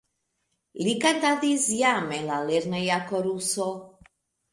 Li kantadis jam en la lerneja koruso.